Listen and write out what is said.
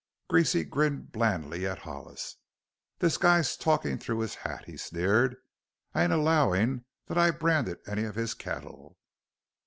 Greasy grinned blandly at Hollis. "This guy's talkin' through his hat," he sneered. "I ain't allowin' that I branded any of his cattle."